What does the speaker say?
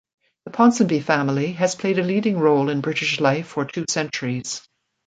The Ponsonby family has played a leading role in British life for two centuries.